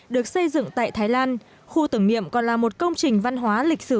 được xây dựng tại thái lan khu tưởng niệm còn là một công trình văn hóa lịch sử